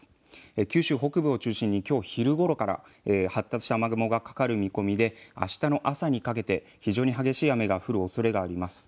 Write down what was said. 九州北部を中心にきょう昼ごろから発達した雨雲がかかる見込みであしたの朝にかけて非常に激しい雨が降るおそれがあります。